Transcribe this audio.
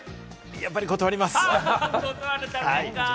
やっぱり断ります。